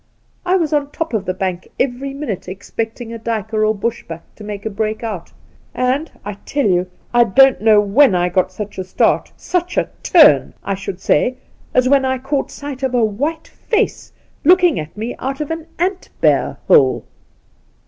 I was on top of the bank every minute expecting a duiker or Bush buck to make a bre'ak out, and — I tell you — I don't know when I got such a start — such a turn, I should say ^— as when I caught sight of a white face lookidg at me out of an ant bear hole.